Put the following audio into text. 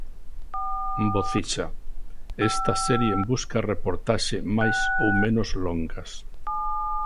Bocixa: Esta serie busca reportaxe máis ou menos longas.